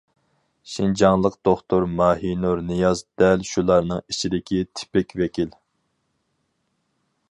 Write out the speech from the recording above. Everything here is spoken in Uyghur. شىنجاڭلىق دوختۇر ماھىنۇر نىياز دەل شۇلارنىڭ ئىچىدىكى تىپىك ۋەكىل.